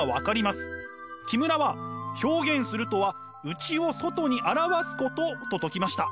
木村は「表現するとは内を外に現すこと」と説きました。